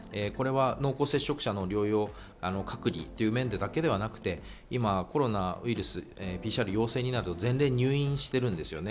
濃厚接触者の療養・隔離という面だけではなくて、今コロナウイルス、ＰＣＲ検査になると入院しているんですよね。